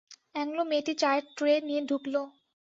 Anglo মেয়েটি চায়ের tray নিয়ে ঢুকল।